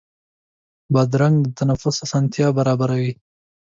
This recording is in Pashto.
بادرنګ د تنفس اسانتیا برابروي.